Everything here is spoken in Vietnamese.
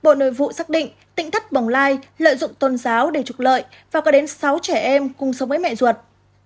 cuối tháng một mươi một năm hai nghìn hai mươi một bộ nội vụ xác định tỉnh thất bồng lai lợi dụng tôn giáo để trục lợi và có đến sáu trẻ em cùng sống với mẹ ruột